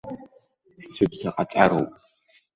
Дцәыбзаҟаҵароуп.